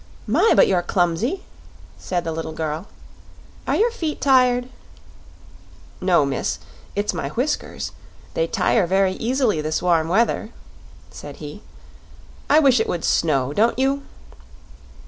"My, but you're clumsy!" said the little girl. "Are your feet tired?" "No, miss; it's my whiskers; they tire very easily in this warm weather," said he. "I wish it would snow, don't you?"